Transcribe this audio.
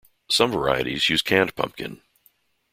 Some varieties use canned pumpkin.